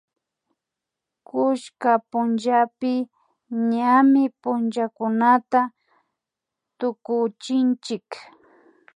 kullka pullapi ñami puchakunata tukuchinchik